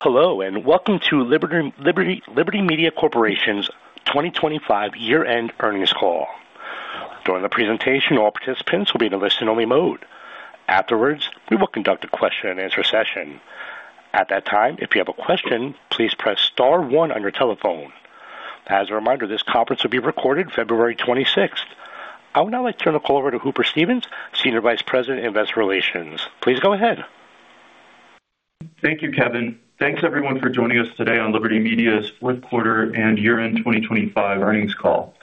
Hello, and welcome to Liberty Media Corporation's 2025 Year-End Earnings Call. During the presentation, all participants will be in a listen-only mode. Afterwards, we will conduct a question-and-answer session. At that time, if you have a question, please press star one on your telephone. As a reminder, this conference will be recorded February 26th. I would now like to turn the call over to Hooper Stevens, Senior Vice President, Investor Relations. Please go ahead. Thank you, Kevin. Thanks, everyone, for joining us today on Liberty Media's fourth quarter and year-end 2025 earnings call.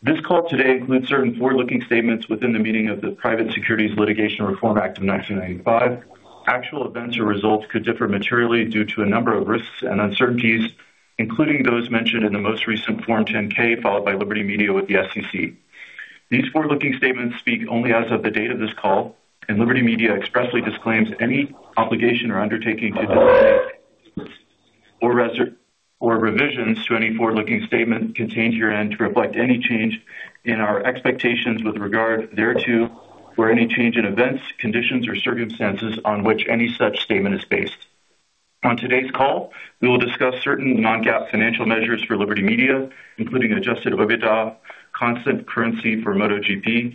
This call today includes certain forward-looking statements within the meaning of the Private Securities Litigation Reform Act of 1995. Actual events or results could differ materially due to a number of risks and uncertainties, including those mentioned in the most recent Form 10-K, followed by Liberty Media with the SEC. These forward-looking statements speak only as of the date of this call, and Liberty Media expressly disclaims any obligation or undertaking to or revisions to any forward-looking statement contained herein to reflect any change in our expectations with regard thereto or any change in events, conditions, or circumstances on which any such statement is based. On today's call, we will discuss certain non-GAAP financial measures for Liberty Media, including Adjusted OIBDA, constant currency for MotoGP.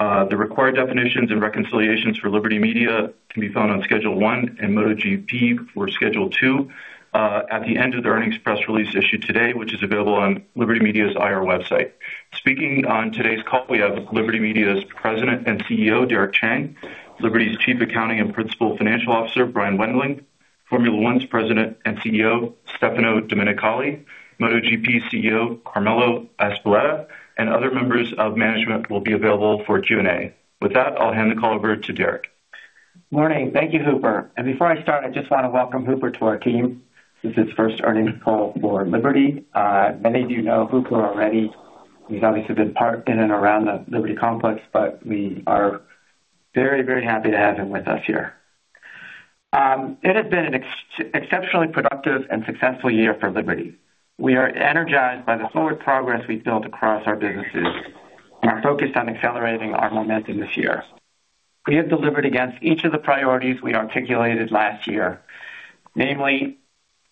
The required definitions and reconciliations for Liberty Media can be found on Schedule 1 and MotoGP for Schedule 2 at the end of the earnings press release issued today, which is available on Liberty Media's IR website. Speaking on today's call, we have Liberty Media's President and CEO, Derek Chang; Liberty's Chief Accounting and Principal Financial Officer, Brian Wendling; Formula 1's President and CEO, Stefano Domenicali; MotoGP CEO, Carmelo Ezpeleta, and other members of management will be available for Q&A. With that, I'll hand the call over to Derek. Morning. Thank you, Hooper. Before I start, I just want to welcome Hooper to our team. This is his first earnings call for Liberty. Many of you know Hooper already. He's obviously been part in and around the Liberty complex, but we are very, very happy to have him with us here. It has been an exceptionally productive and successful year for Liberty. We are energized by the forward progress we've built across our businesses and are focused on accelerating our momentum this year. We have delivered against each of the priorities we articulated last year, namely,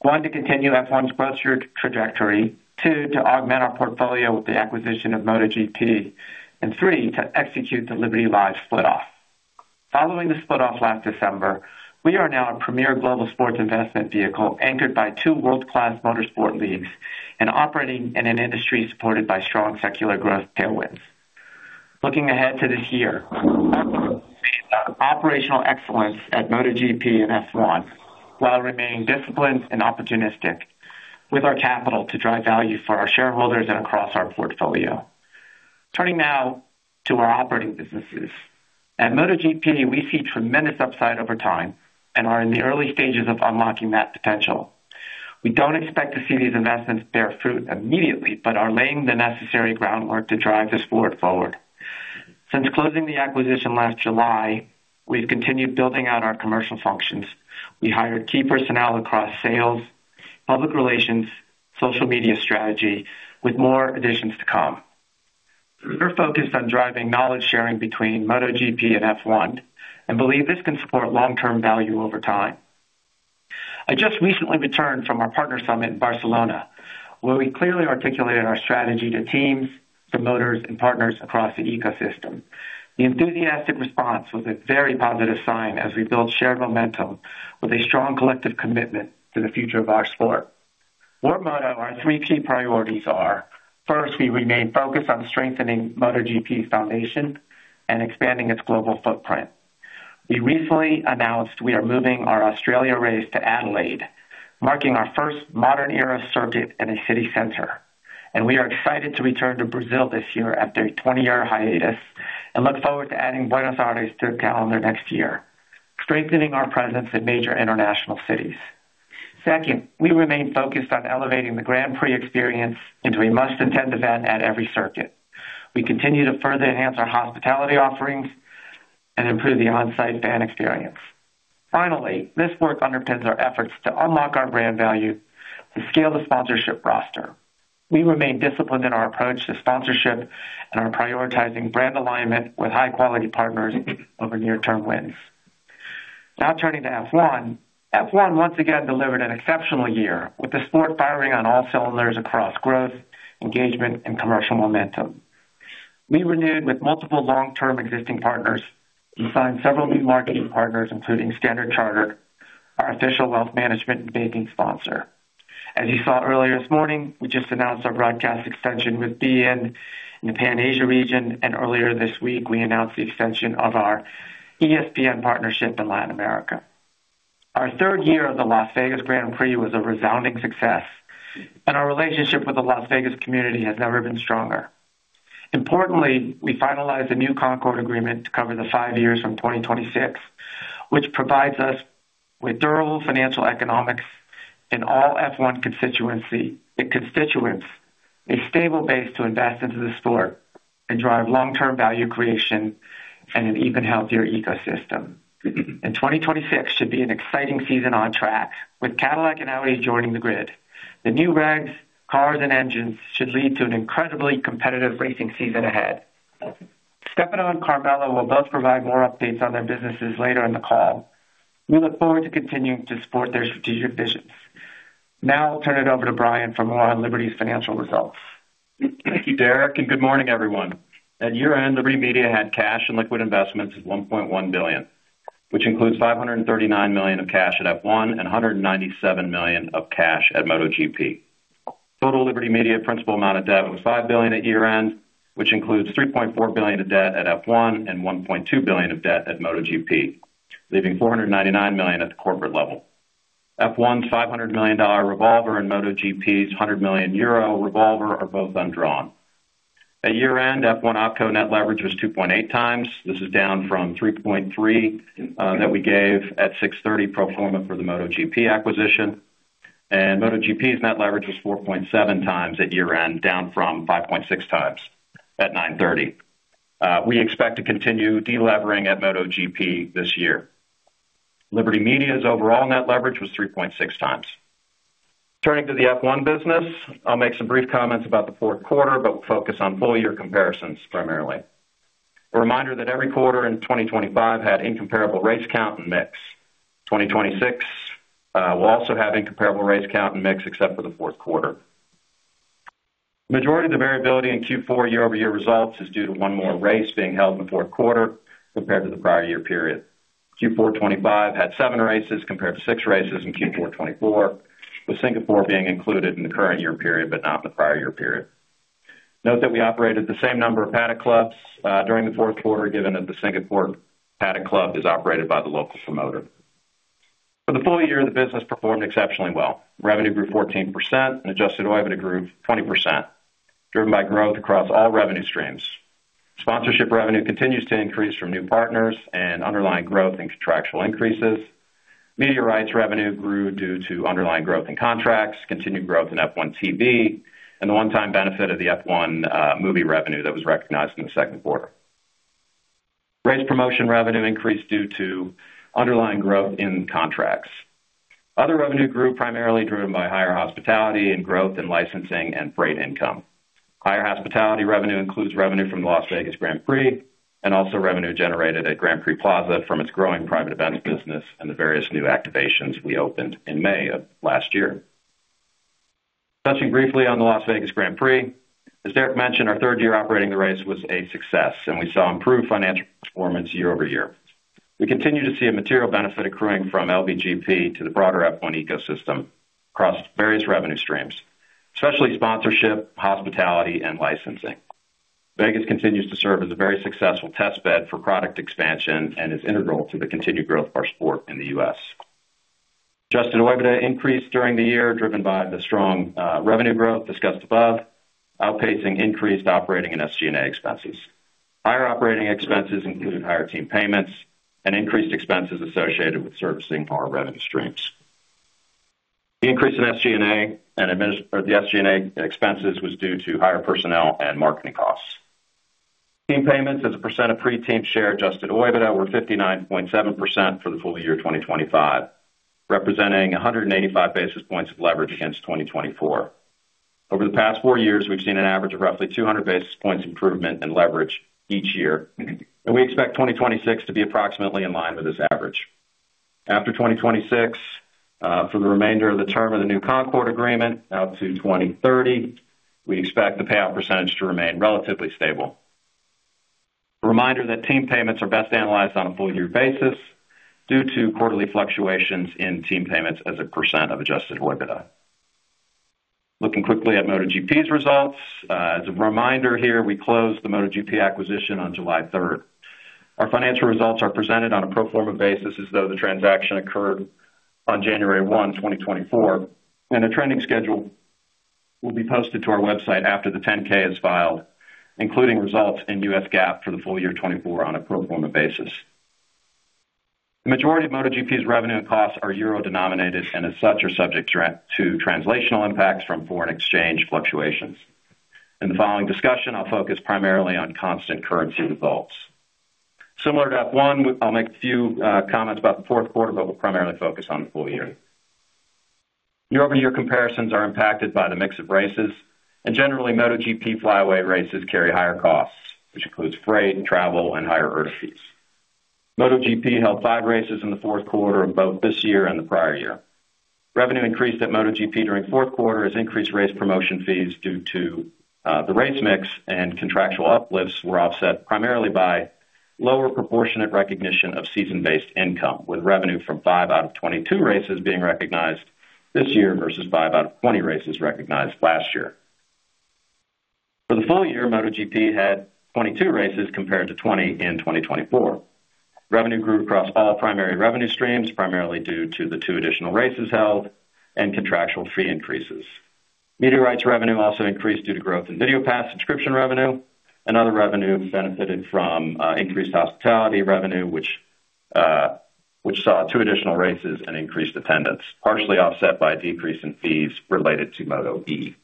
1, to continue F1's growth trajectory, 2, to augment our portfolio with the acquisition of MotoGP, and 3, to execute the Liberty Live split off. Following the split off last December, we are now a premier global sports investment vehicle, anchored by two world-class motorsport leagues and operating in an industry supported by strong secular growth tailwinds. Looking ahead to this year, operational excellence at MotoGP and F1, while remaining disciplined and opportunistic with our capital to drive value for our shareholders and across our portfolio. Turning now to our operating businesses. At MotoGP, we see tremendous upside over time and are in the early stages of unlocking that potential. We don't expect to see these investments bear fruit immediately, but are laying the necessary groundwork to drive the sport forward. Since closing the acquisition last July, we've continued building out our commercial functions. We hired key personnel across sales, public relations, social media strategy, with more additions to come. We're focused on driving knowledge sharing between MotoGP and F1, believe this can support long-term value over time. I just recently returned from our partner summit in Barcelona, where we clearly articulated our strategy to teams, promoters, and partners across the ecosystem. The enthusiastic response was a very positive sign as we build shared momentum with a strong collective commitment to the future of our sport. Our motto, our three key priorities are: first, we remain focused on strengthening MotoGP's foundation and expanding its global footprint. We recently announced we are moving our Australia race to Adelaide, marking our first modern era circuit in a city center, we are excited to return to Brazil this year after a 20-year hiatus and look forward to adding Buenos Aires to the calendar next year, strengthening our presence in major international cities. Second, we remain focused on elevating the Grand Prix experience into a must-attend event at every circuit. We continue to further enhance our hospitality offerings and improve the on-site fan experience. Finally, this work underpins our efforts to unlock our brand value to scale the sponsorship roster. We remain disciplined in our approach to sponsorship and are prioritizing brand alignment with high-quality partners over near-term wins. Turning to F1. F1 once again delivered an exceptional year, with the sport firing on all cylinders across growth, engagement, and commercial momentum. We renewed with multiple long-term existing partners and signed several new marketing partners, including Standard Chartered, our official wealth management and banking sponsor. As you saw earlier this morning, we just announced our broadcast extension with beIN Sports in the Pan-Asia region, and earlier this week, we announced the extension of our ESPN partnership in Latin America. Our third year of the Las Vegas Grand Prix was a resounding success, and our relationship with the Las Vegas community has never been stronger. Importantly, we finalized a new Concorde Agreement to cover the 5 years from 2026, which provides us with durable financial economics in all F1 constituents, a stable base to invest into the sport and drive long-term value creation and an even healthier ecosystem. 2026 should be an exciting season on track, with Cadillac and Audi joining the grid. The new regs, cars, and engines should lead to an incredibly competitive racing season ahead. Stefano and Carmelo will both provide more updates on their businesses later in the call. We look forward to continuing to support their strategic visions. Now I'll turn it over to Brian for more on Liberty's financial results. Thank you, Derek, and good morning, everyone. At year-end, Liberty Media had cash and liquid investments of $1.1 billion, which includes $539 million of cash at F1 and $197 million of cash at MotoGP. Total Liberty Media principal amount of debt was $5 billion at year-end, which includes $3.4 billion of debt at F1 and $1.2 billion of debt at MotoGP, leaving $499 million at the corporate level. F1's $500 million revolver and MotoGP's 100 million euro revolver are both undrawn. At year-end, F1 OpCo net leverage was 2.8 times. This is down from 3.3 that we gave at 6/30 pro forma for the MotoGP acquisition, and MotoGP's net leverage was 4.7 times at year-end, down from 5.6 times at 9/30. We expect to continue delevering at MotoGP this year. Liberty Media's overall net leverage was 3.6 times. Turning to the F1 business, I'll make some brief comments about the fourth quarter, but we'll focus on full year comparisons primarily. A reminder that every quarter in 2025 had incomparable race count and mix. 2026 will also have incomparable race count and mix except for the fourth quarter. Majority of the variability in Q4 year-over-year results is due to one more race being held in the fourth quarter compared to the prior year period. Q4 2025 had seven races compared to six races in Q4 2024, with Singapore being included in the current year period, but not in the prior year period. Note that we operated the same number of Paddock Clubs during the fourth quarter, given that the Singapore Paddock Club is operated by the local promoter. For the full year, the business performed exceptionally well. Revenue grew 14% and Adjusted OIBDA grew 20%, driven by growth across all revenue streams. Sponsorship revenue continues to increase from new partners and underlying growth in contractual increases. Media rights revenue grew due to underlying growth in contracts, continued growth in F1 TV, and the one-time benefit of the F1 movie revenue that was recognized in the second quarter. Race promotion revenue increased due to underlying growth in contracts. Other revenue grew, primarily driven by higher hospitality and growth in licensing and freight income. Higher hospitality revenue includes revenue from the Las Vegas Grand Prix, and also revenue generated at Grand Prix Plaza from its growing private events business and the various new activations we opened in May of last year. Touching briefly on the Las Vegas Grand Prix, as Derek mentioned, our third year operating the race was a success, and we saw improved financial performance year over year. We continue to see a material benefit accruing from LVGP to the broader F1 ecosystem across various revenue streams, especially sponsorship, hospitality, and licensing. Vegas continues to serve as a very successful test bed for product expansion and is integral to the continued growth of our sport in the US. Adjusted OIBDA increased during the year, driven by the strong revenue growth discussed above, outpacing increased operating and SG&A expenses. Higher operating expenses included higher team payments and increased expenses associated with servicing our revenue streams. The increase in SG&A expenses was due to higher personnel and marketing costs. Team payments as a percent of pre-team share Adjusted OIBDA were 59.7% for the full year 2025, representing 185 basis points of leverage against 2024. Over the past 4 years, we've seen an average of roughly 200 basis points improvement in leverage each year, and we expect 2026 to be approximately in line with this average. After 2026, for the remainder of the term of the new Concorde Agreement, out to 2030, we expect the payout percentage to remain relatively stable. A reminder that team payments are best analyzed on a full year basis due to quarterly fluctuations in team payments as a percent of Adjusted OIBDA. Looking quickly at MotoGP's results. As a reminder here, we closed the MotoGP acquisition on July third. Our financial results are presented on a pro forma basis as though the transaction occurred on January 1, 2024. A trending schedule will be posted to our website after the 10-K is filed, including results in U.S. GAAP for the full year 2024 on a pro forma basis. The majority of MotoGP's revenue and costs are euro-denominated. As such, are subject to translational impacts from foreign exchange fluctuations. In the following discussion, I'll focus primarily on constant currency results. Similar to F1, I'll make a few comments about the fourth quarter, we'll primarily focus on the full year. Year-over-year comparisons are impacted by the mix of races, generally, MotoGP flyaway races carry higher costs, which includes freight and travel and higher earth fees. MotoGP held five races in the fourth quarter of both this year and the prior year. Revenue increased at MotoGP during fourth quarter as increased race promotion fees due to the race mix and contractual uplifts were offset primarily by lower proportionate recognition of season-based income, with revenue from five out of 22 races being recognized this year versus five out of 20 races recognized last year. For the full year, MotoGP had 22 races compared to 20 in 2024. Revenue grew across all primary revenue streams, primarily due to the two additional races held and contractual fee increases. Media rights revenue also increased due to growth in VideoPass subscription revenue, and other revenue benefited from increased hospitality revenue, which saw two additional races and increased attendance, partially offset by a decrease in fees related to MotoE.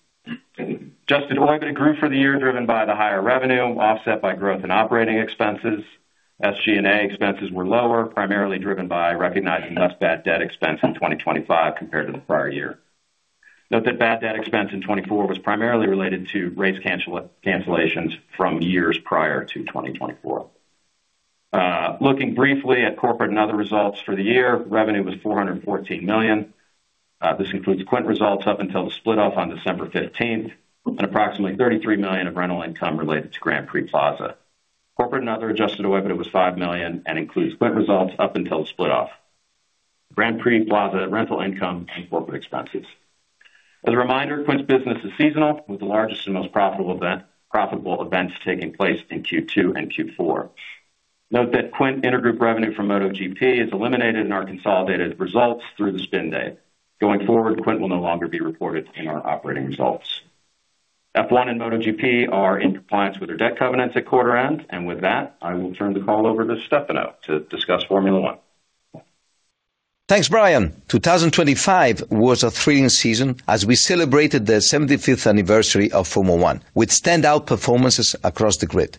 Adjusted OIBDA grew for the year, driven by the higher revenue, offset by growth in operating expenses. SG&A expenses were lower, primarily driven by recognizing less bad debt expense in 2025 compared to the prior year. Note that bad debt expense in 2024 was primarily related to cancellations from years prior to 2024. Looking briefly at corporate and other results for the year, revenue was $414 million. This includes Quint results up until the split off on December 15th, and approximately $33 million of rental income related to Grand Prix Plaza. Corporate and other Adjusted OIBDA was $5 million and includes Quint results up until the split off. Grand Prix Plaza, rental income, and corporate expenses. As a reminder, Quint's business is seasonal, with the largest and most profitable events taking place in Q2 and Q4. Note that Quint intergroup revenue from MotoGP is eliminated in our consolidated results through the spin day. Going forward, Quint will no longer be reported in our operating results. F1 and MotoGP are in compliance with their debt covenants at quarter end. With that, I will turn the call over to Stefano to discuss Formula 1. Thanks, Brian. 2025 was a thrilling season as we celebrated the 75th anniversary of Formula 1 with standout performances across the grid.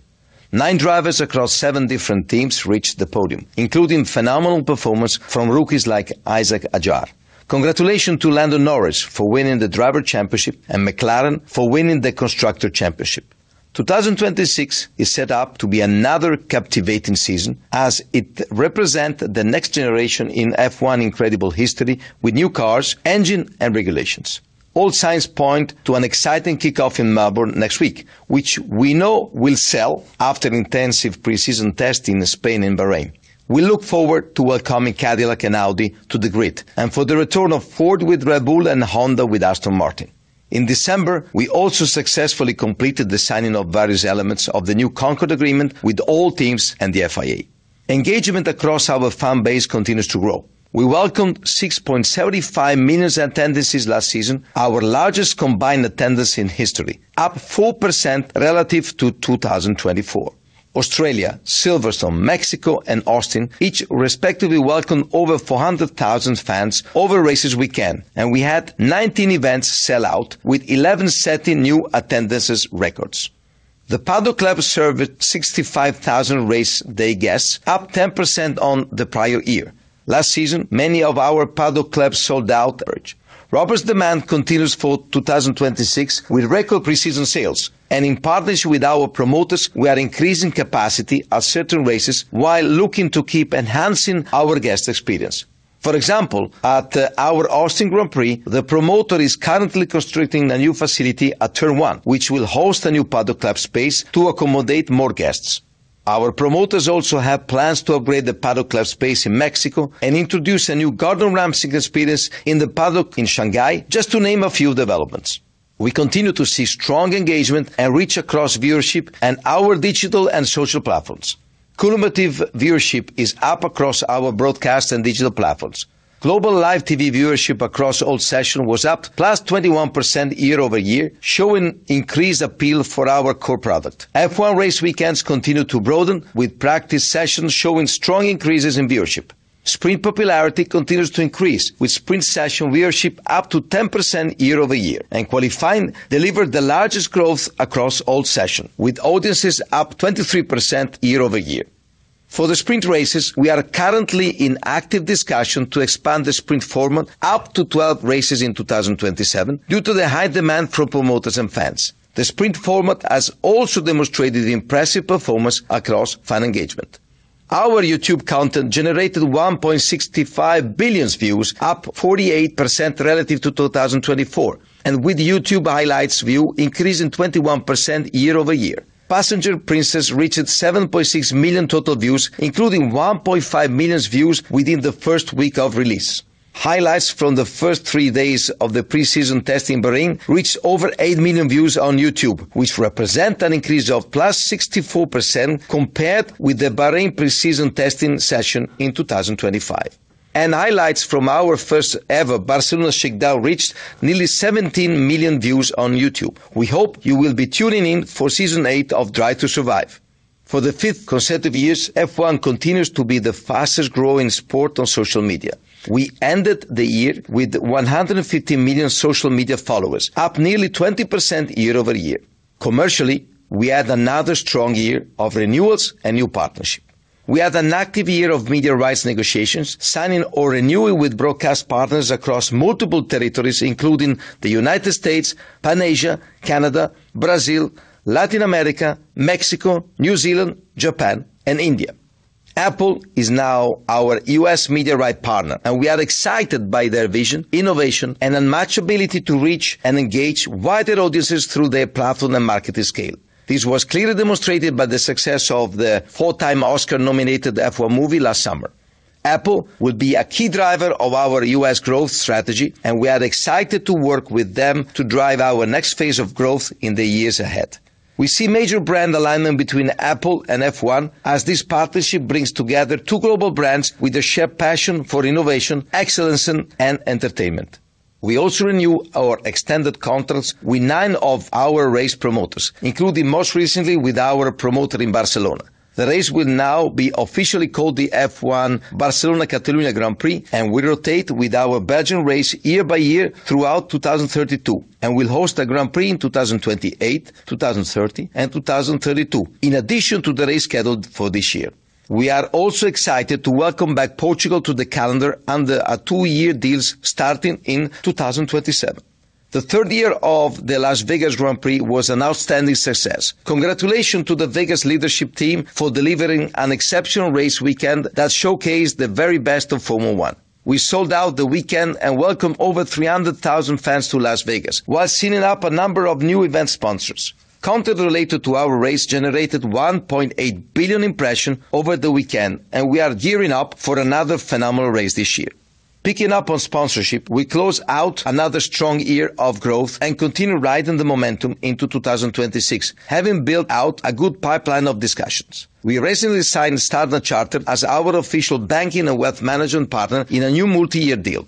9 drivers across 7 different teams reached the podium, including phenomenal performance from rookies like Isack Hadjar. Congratulations to Lando Norris for winning the Driver Championship and McLaren for winning the Constructor Championship. 2026 is set up to be another captivating season as it represent the next generation in F1 incredible history with new cars, engine, and regulations. All signs point to an exciting kickoff in Melbourne next week, which we know will sell after intensive preseason testing in Spain and Bahrain. We look forward to welcoming Cadillac and Audi to the grid, and for the return of Ford with Red Bull and Honda with Aston Martin. In December, we also successfully completed the signing of various elements of the new Concorde Agreement with all teams and the FIA. Engagement across our fan base continues to grow. We welcomed 6.75 million attendances last season, our largest combined attendance in history, up 4% relative to 2024. Australia, Silverstone, Mexico, and Austin, each respectively welcomed over 400,000 fans over races weekend, and we had 19 events sell out with 11 setting new attendances records. The Paddock Club served 65,000 race day guests, up 10% on the prior year. Last season, many of our Paddock Club sold out, average. Robust demand continues for 2026 with record preseason sales, and in partnership with our promoters, we are increasing capacity at certain races while looking to keep enhancing our guest experience. For example, at our Austin Grand Prix, the promoter is currently constructing a new facility at Turn one, which will host a new Paddock Club space to accommodate more guests. Our promoters also have plans to upgrade the Paddock Club space in Mexico and introduce a new Gordon Ramsay experience in the Paddock in Shanghai, just to name a few developments. We continue to see strong engagement and reach across viewership and our digital and social platforms. Cumulative viewership is up across our broadcast and digital platforms. Global live TV viewership across all sessions was up +21% year-over-year, showing increased appeal for our core product. F1 race weekends continue to broaden, with practice sessions showing strong increases in viewership. Sprint popularity continues to increase, with sprint session viewership up to 10% year-over-year. Qualifying delivered the largest growth across all sessions, with audiences up 23% year-over-year. For the sprint races, we are currently in active discussion to expand the sprint format up to 12 races in 2027 due to the high demand from promoters and fans. The sprint format has also demonstrated impressive performance across fan engagement. Our YouTube content generated 1.65 billion views, up 48% relative to 2024. With YouTube highlights view increasing 21% year-over-year. Passenger Princess reached 7.6 million total views, including 1.5 million views within the first week of release. Highlights from the first three days of the preseason test in Bahrain reached over 8 million views on YouTube, which represent an increase of +64% compared with the Bahrain preseason testing session in 2025. Highlights from our first ever Barcelona shakedown reached nearly 17 million views on YouTube. We hope you will be tuning in for season 8 of Drive to Survive. For the fifth consecutive years, F1 continues to be the fastest-growing sport on social media. We ended the year with 150 million social media followers, up nearly 20% year-over-year. Commercially, we had another strong year of renewals and new partnership. We had an active year of media rights negotiations, signing or renewing with broadcast partners across multiple territories, including the United States, Pan Asia, Canada, Brazil, Latin America, Mexico, New Zealand, Japan, and India. Apple is now our U.S. media right partner. We are excited by their vision, innovation, and unmatched ability to reach and engage wider audiences through their platform and marketing scale. This was clearly demonstrated by the success of the 4-time Oscar-nominated F1 movie last summer. Apple will be a key driver of our U.S. growth strategy, and we are excited to work with them to drive our next phase of growth in the years ahead. We see major brand alignment between Apple and F1 as this partnership brings together two global brands with a shared passion for innovation, excellence, and entertainment. We also renew our extended contracts with 9 of our race promoters, including most recently with our promoter in Barcelona. The race will now be officially called the F1 Barcelona-Catalunya Grand Prix, and will rotate with our Belgian race year by year throughout 2032, and will host a Grand Prix in 2028, 2030, and 2032, in addition to the race scheduled for this year. We are also excited to welcome back Portugal to the calendar under a 2-year deal starting in 2027. The third year of the Las Vegas Grand Prix was an outstanding success. Congratulations to the Vegas leadership team for delivering an exceptional race weekend that showcased the very best of Formula 1. We sold out the weekend and welcomed over 300,000 fans to Las Vegas, while signing up a number of new event sponsors. Content related to our race generated 1.8 billion impression over the weekend. We are gearing up for another phenomenal race this year. Picking up on sponsorship, we close out another strong year of growth and continue riding the momentum into 2026, having built out a good pipeline of discussions. We recently signed Standard Chartered as our official banking and wealth management partner in a new multi-year deal.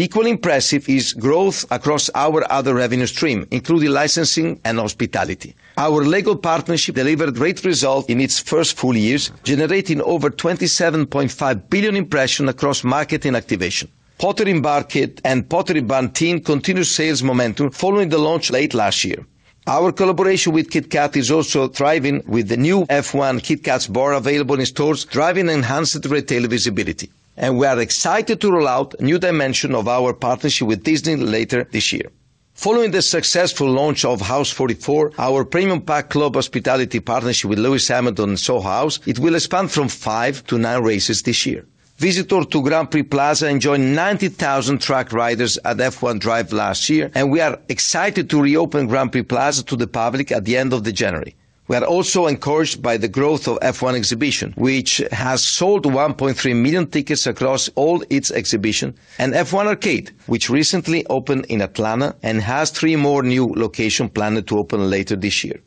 Equally impressive is growth across our other revenue stream, including licensing and hospitality. Our LEGO partnership delivered great results in its first full years, generating over 27.5 billion impression across market and activation. Pottery Barn and Pottery Barn Teen continued sales momentum following the launch late last year. Our collaboration with KitKat is also thriving, with the new F1 KitKat bar available in stores, driving enhanced retail visibility. We are excited to roll out a new dimension of our partnership with Disney later this year. Following the successful launch of House 44, our premium Paddock Club hospitality partnership with Lewis Hamilton, Soho House, it will expand from five to nine races this year. Visitors to Grand Prix Plaza enjoyed 90,000 track riders at F1 Drive last year, and we are excited to reopen Grand Prix Plaza to the public at the end of the January. We are also encouraged by the growth of F1 Exhibition, which has sold 1.3 million tickets across all its exhibition, and F1 Arcade, which recently opened in Atlanta and has three more new locations planned to open later this year.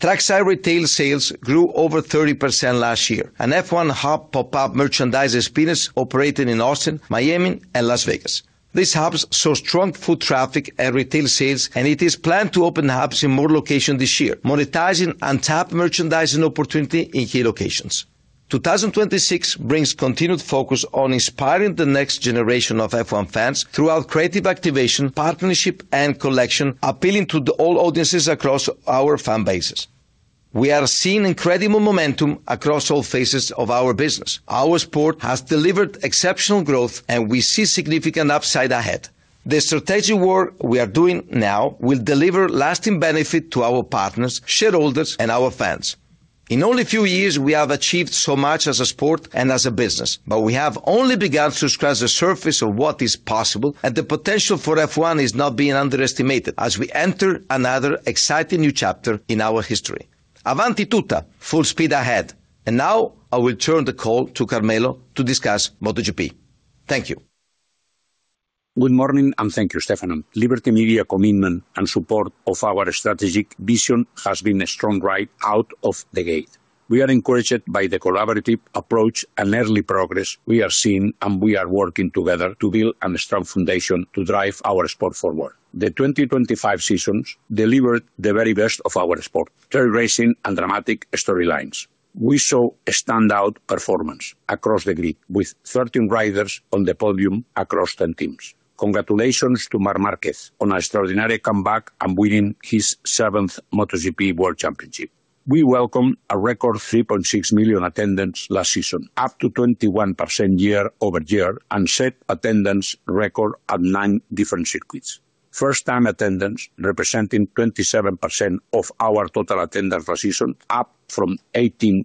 Trackside retail sales grew over 30% last year, and F1 Hub pop-up merchandise experience operated in Austin, Miami, and Las Vegas. These hubs saw strong foot traffic and retail sales, and it is planned to open hubs in more locations this year, monetizing untapped merchandising opportunity in key locations. 2026 brings continued focus on inspiring the next generation of F1 fans throughout creative activation, partnership, and collection, appealing to the all audiences across our fan bases. We are seeing incredible momentum across all phases of our business. Our sport has delivered exceptional growth, and we see significant upside ahead. The strategic work we are doing now will deliver lasting benefit to our partners, shareholders, and our fans. In only a few years, we have achieved so much as a sport and as a business, but we have only begun to scratch the surface of what is possible, and the potential for F1 is not being underestimated as we enter another exciting new chapter in our history. Avanti tutta! Full speed ahead. Now I will turn the call to Carmelo to discuss MotoGP. Thank you. Good morning, and thank you, Stefano. Liberty Media commitment and support of our strategic vision has been a strong ride out of the gate. We are encouraged by the collaborative approach and early progress we are seeing, and we are working together to build a strong foundation to drive our sport forward. The 2025 seasons delivered the very best of our sport, tour racing and dramatic storylines. We saw a standout performance across the grid, with 13 riders on the podium across 10 teams. Congratulations to Marc Márquez on an extraordinary comeback and winning his 7th MotoGP World Championship. We welcomed a record 3.6 million attendance last season, up to 21% year-over-year, and set attendance record at 9 different circuits. First-time attendance, representing 27% of our total attendance last season, up from 18%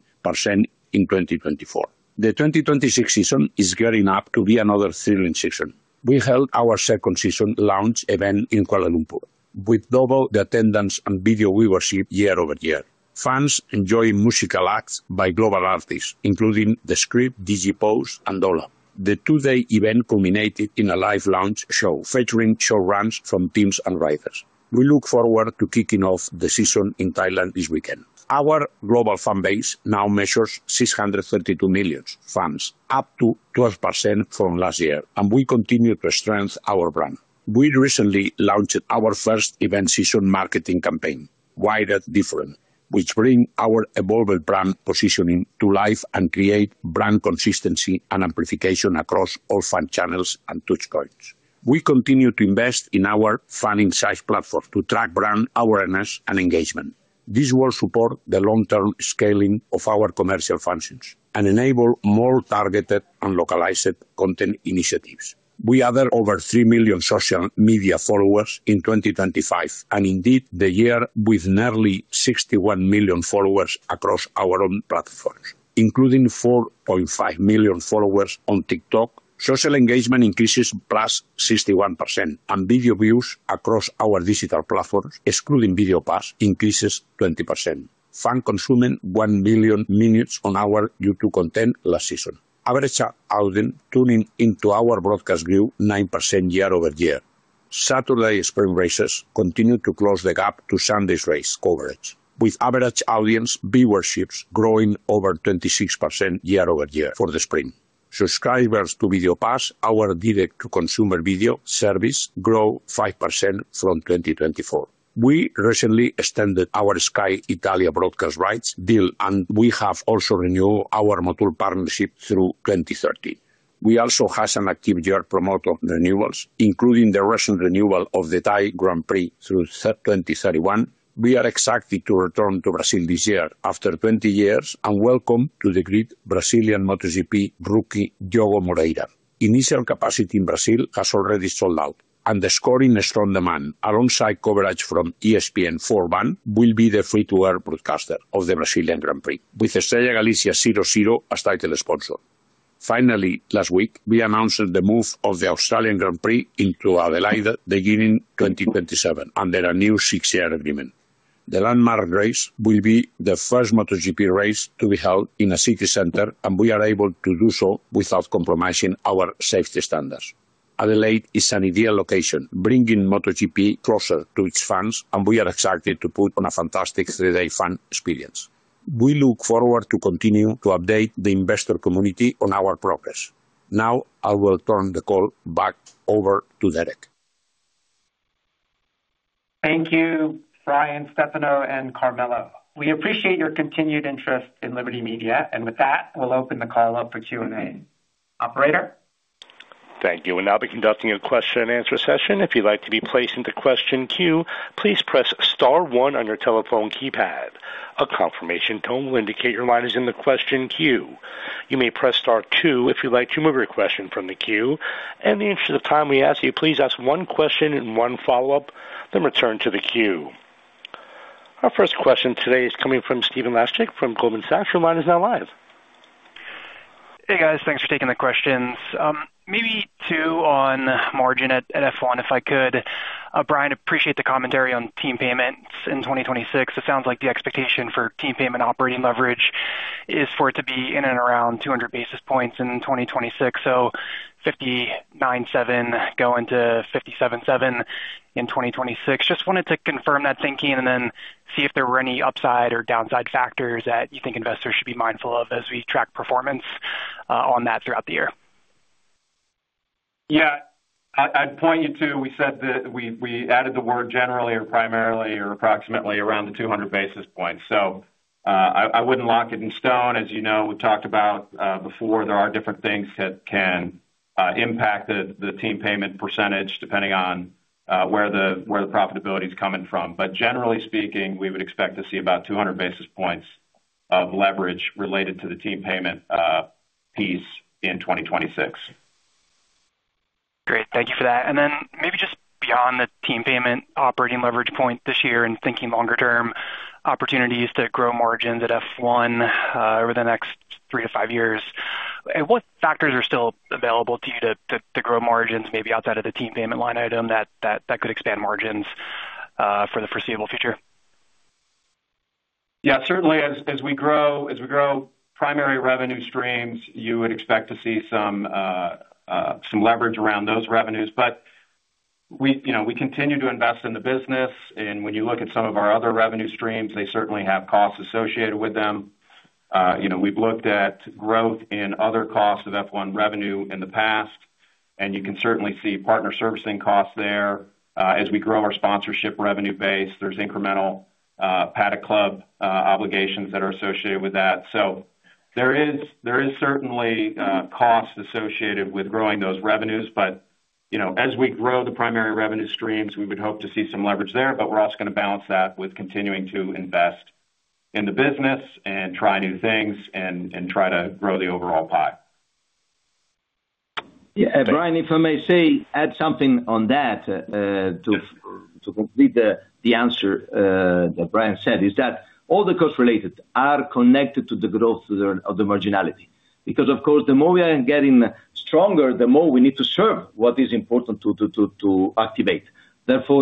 in 2024. The 2026 season is gearing up to be another thrilling season. We held our second season launch event in Kuala Lumpur, with double the attendance and video viewership year-over-year. Fans enjoyed musical acts by global artists, including The Script, Doja Cat, and Dola. The two-day event culminated in a live launch show featuring short runs from teams and riders. We look forward to kicking off the season in Thailand this weekend. Our global fan base now measures 632 million fans, up to 12% from last year, and we continue to strengthen our brand. We recently launched our first event season marketing campaign, Wider Different, which bring our evolving brand positioning to life and create brand consistency and amplification across all fan channels and touchpoints. We continue to invest in our fan insight platform to track brand awareness and engagement. This will support the long-term scaling of our commercial functions and enable more targeted and localized content initiatives. We added over 3 million social media followers in 2025, and indeed, the year with nearly 61 million followers across our own platforms, including 4.5 million followers on TikTok. Social engagement increases +61%, and video views across our digital platforms, excluding VideoPass, increases 20%. Fan consuming 1 billion minutes on our YouTube content last season. Average audience tuning into our broadcast grew 9% year-over-year. Saturday sprint races continued to close the gap to Sunday's race coverage, with average audience viewerships growing over 26% year-over-year for the sprint. Subscribers to VideoPass, our direct-to-consumer video service, grow 5% from 2024. We recently extended our Sky Italia broadcast rights deal, and we have also renewed our Moto partnership through 2030. We also have some active year promoter renewals, including the recent renewal of the Thai Grand Prix through 2031. We are excited to return to Brazil this year after 20 years and welcome to the great Brazilian MotoGP rookie Diogo Moreira. Initial capacity in Brazil has already sold out, underscoring a strong demand alongside coverage from ESPN 41 will be the free-to-air broadcaster of the Brazilian Grand Prix, with Estrella Galicia 0,0 as title sponsor. Finally, last week, we announced the move of the Australian Grand Prix into Adelaide, beginning 2027, under a new six-year agreement. The landmark race will be the first MotoGP race to be held in a city center, and we are able to do so without compromising our safety standards. Adelaide is an ideal location, bringing MotoGP closer to its fans, and we are excited to put on a fantastic three-day fan experience. We look forward to continuing to update the investor community on our progress. I will turn the call back over to Derek. Thank you, Brian, Stefano, and Carmelo. We appreciate your continued interest in Liberty Media, and with that, we'll open the call up for Q&A. Operator? Thank you. We'll now be conducting a question-and-answer session. If you'd like to be placed into question queue, please press star one on your telephone keypad. A confirmation tone will indicate your line is in the question queue. You may press star two if you'd like to remove your question from the queue, and in the interest of time, we ask you please ask one question and one follow-up, then return to the queue. Our first question today is coming from Stephen Laszczyk from Goldman Sachs. Your line is now live. Hey, guys, thanks for taking the questions. Maybe two on margin at F1, if I could. Brian, appreciate the commentary on team payments in 2026. It sounds like the expectation for team payment operating leverage is for it to be in and around 200 basis points in 2026, so 59.7% going to 57.7% in 2026. Just wanted to confirm that thinking and then see if there were any upside or downside factors that you think investors should be mindful of as we track performance on that throughout the year. Yeah. I'd point you to, we said that we added the word generally or primarily or approximately around the 200 basis points. I wouldn't lock it in stone. As you know, we've talked about before, there are different things that can impact the team payment percentage, depending on where the profitability is coming from. Generally speaking, we would expect to see about 200 basis points of leverage related to the team payment piece in 2026. Great. Thank you for that. Then maybe just beyond the team payment operating leverage point this year and thinking longer-term opportunities to grow margins at F1, over the next three to five years, and what factors are still available to you to grow margins, maybe outside of the team payment line item, that could expand margins for the foreseeable future? Yeah, certainly as we grow, as we grow primary revenue streams, you would expect to see some leverage around those revenues. We, you know, we continue to invest in the business, and when you look at some of our other revenue streams, they certainly have costs associated with them. You know, we've looked at growth in other costs of F1 revenue in the past, and you can certainly see partner servicing costs there. As we grow our sponsorship revenue base, there's incremental, Paddock Club, obligations that are associated with that. There is certainly costs associated with growing those revenues, but, you know, as we grow the primary revenue streams, we would hope to see some leverage there, but we're also gonna balance that with continuing to invest in the business and try new things and try to grow the overall pie. Yeah, Brian, if I may say, add something on that, to complete the answer that Brian said, is that all the costs related are connected to the growth of the marginality. Of course, the more we are getting stronger, the more we need to serve what is important to activate.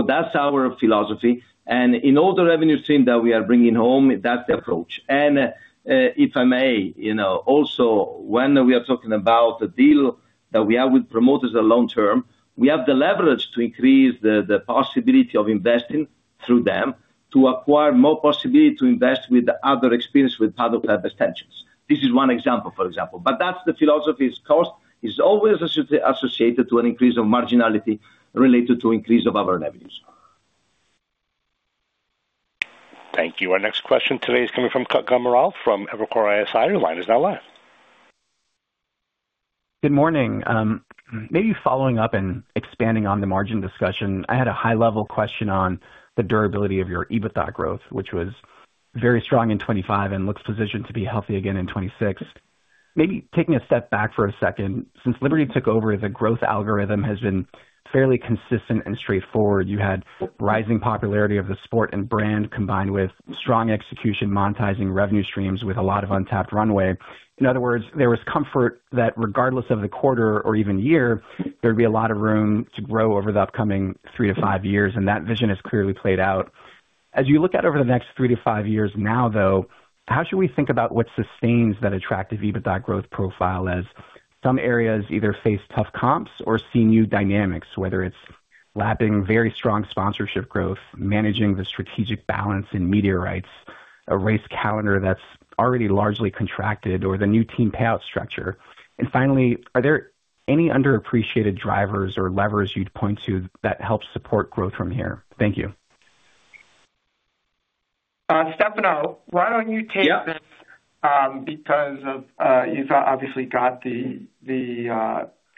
That's our philosophy, and in all the revenue stream that we are bringing home, that's the approach. If I may, you know, also, when we are talking about the deal that we have with promoters long term, we have the leverage to increase the possibility of investing through them to acquire more possibility to invest with other experience with Paddock Club extensions. This is one example, for example, but that's the philosophy's cost is always associated to an increase of marginality related to increase of our revenues. Thank you. Our next question today is coming from Kutgun Maral from Evercore ISI. Your line is now live. Good morning. Maybe following up and expanding on the margin discussion, I had a high-level question on the durability of your EBITDA growth, which was very strong in 25 and looks positioned to be healthy again in 2060. Maybe taking a step back for a second, since Liberty took over, the growth algorithm has been fairly consistent and straightforward. You had rising popularity of the sport and brand, combined with strong execution, monetizing revenue streams with a lot of untapped runway. In other words, there was comfort that regardless of the quarter or even year, there'd be a lot of room to grow over the upcoming three to five years, and that vision has clearly played out. As you look out over the next 3-5 years now, though, how should we think about what sustains that attractive EBITDA growth profile, as some areas either face tough comps or see new dynamics, whether it's lapping very strong sponsorship growth, managing the strategic balance in media rights, a race calendar that's already largely contracted or the new team payout structure. Finally, are there any underappreciated drivers or levers you'd point to that help support growth from here? Thank you. Stefano, why don't you take this? Yeah. Because of, you've obviously got the,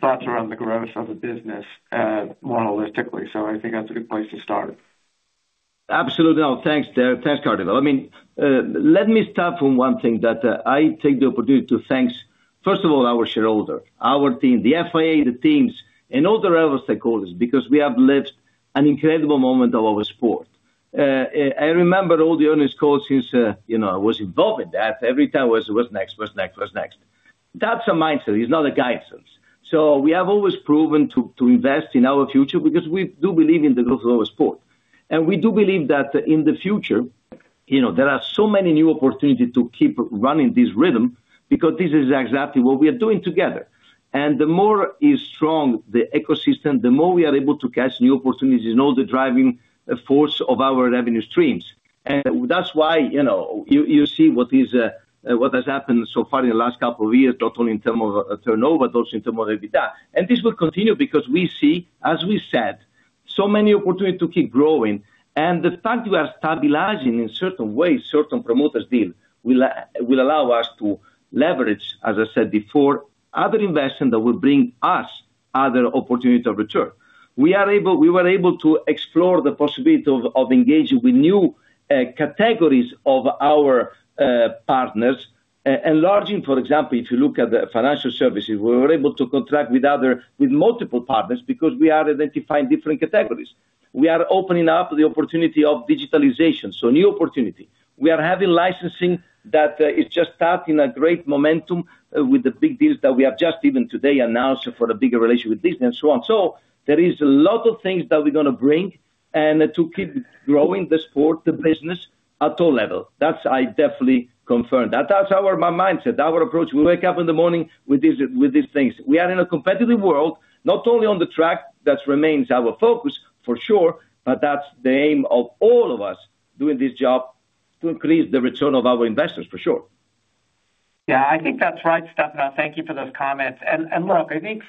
thoughts around the growth of the business, monolithically. I think that's a good place to start. Absolutely. Oh, thanks, Derek. Thanks, Kutgun. I mean, let me start from one thing, that, I take the opportunity to thank, first of all, our shareholder, our team, the FIA, the teams, and all the relevant stakeholders, because we have lived an incredible moment of our sport. I remember all the owners called since, you know, I was involved in that. Every time was, "What's next? What's next? What's next?" That's a mindset. It's not a guidance. We have always proven to invest in our future because we do believe in the growth of our sport. We do believe that in the future, you know, there are so many new opportunities to keep running this rhythm, because this is exactly what we are doing together. The more is strong, the ecosystem, the more we are able to catch new opportunities and all the driving force of our revenue streams. That's why, you know, you see what is what has happened so far in the last couple of years, not only in terms of turnover, but also in terms of EBITDA. This will continue because we see, as we said, so many opportunities to keep growing. The fact we are stabilizing in certain ways, certain promoters deal, will allow us to leverage, as I said before, other investment that will bring us other opportunities of return. We are able... We were able to explore the possibility of engaging with new categories of our partners, enlarging, for example, if you look at the financial services, we were able to contract with multiple partners because we are identifying different categories. We are opening up the opportunity of digitalization, so new opportunity. We are having licensing that is just starting a great momentum with the big deals that we have just even today announced for a bigger relationship with Disney and so on. There is a lot of things that we're going to bring and to keep growing the sport, the business, at all level. That I definitely confirm. That's our mindset, our approach. We wake up in the morning with these, with these things. We are in a competitive world, not only on the track, that remains our focus for sure, but that's the aim of all of us doing this job, to increase the return of our investors, for sure. Yeah, I think that's right, Stefano. Thank you for those comments. Look, I think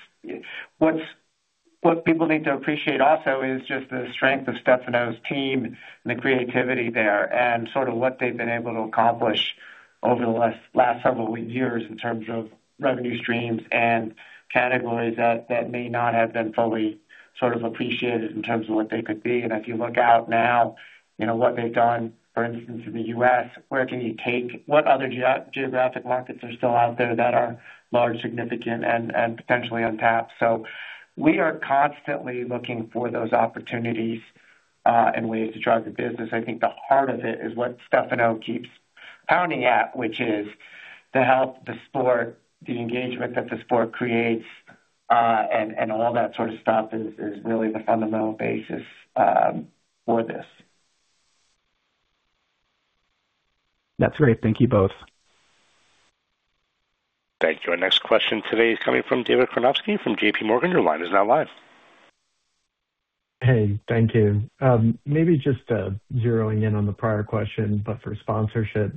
what's, what people need to appreciate also is just the strength of Stefano's team and the creativity there, and sort of what they've been able to accomplish over the last several years in terms of revenue streams and categories that may not have been fully sort of appreciated in terms of what they could be. If you look out now, you know what they've done, for instance, in the U.S., where can you take... What other geographic markets are still out there that are large, significant, and potentially untapped? We are constantly looking for those opportunities and ways to drive the business. I think the heart of it is what Stefano keeps pounding at, which is to help the sport, the engagement that the sport creates, and all that sort of stuff is really the fundamental basis for this. That's great. Thank you both. Thank you. Our next question today is coming from David Karnovsky, from JPMorgan. Your line is now live. Hey, thank you. Maybe just zeroing in on the prior question, but for sponsorship,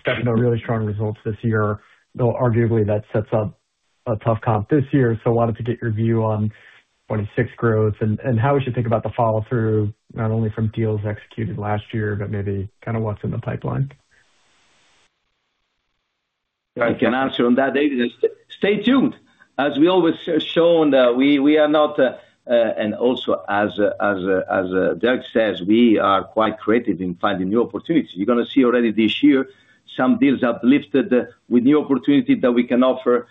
Stefano, really strong results this year, though arguably that sets up a tough comp this year. Wanted to get your view on 26 growth and how we should think about the follow-through, not only from deals executed last year, but maybe kind of what's in the pipeline. I can answer on that, David. Stay tuned. As we always shown, we are not, and also as Derek says, we are quite creative in finding new opportunities. You're going to see already this year, some deals have lifted with new opportunity that we can offer,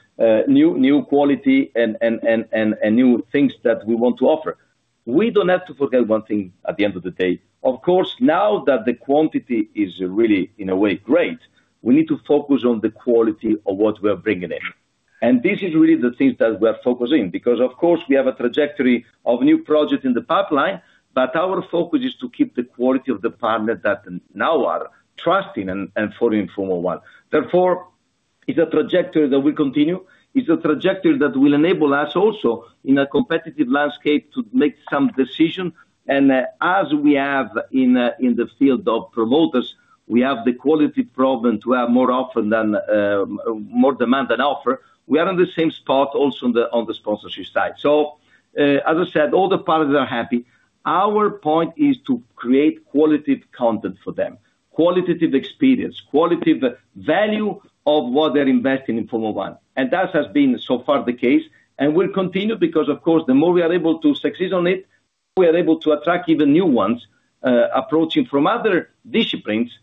new quality and new things that we want to offer. We don't have to forget one thing at the end of the day. Of course, now that the quantity is really, in a way, great, we need to focus on the quality of what we are bringing in. This is really the things that we are focusing, because of course, we have a trajectory of new projects in the pipeline, but our focus is to keep the quality of the partners that now are trusting and following Formula 1. Therefore, it's a trajectory that will continue. It's a trajectory that will enable us also, in a competitive landscape, to make some decisions. As we have in in the field of promoters, we have the quality problem to have more often than more demand than offer. We are on the same spot also on the on the sponsorship side. As I said, all the partners are happy. Our point is to create quality content for them, qualitative experience, quality value of what they're investing in Formula 1. That has been, so far, the case. Will continue, because of course, the more we are able to succeed on it, we are able to attract even new ones, approaching from other disciplines,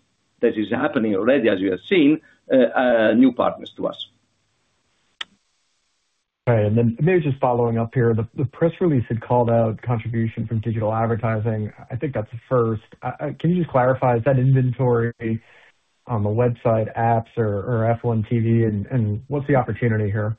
that is happening already, as you have seen, new partners to us. Right. Maybe just following up here, the press release had called out contribution from digital advertising. I think that's a first. Can you just clarify, is that inventory on the website apps or F1 TV? What's the opportunity here?